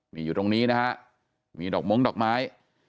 นี่อยู่ตรงนี้นะฮะมีดอกม้งดอกไม้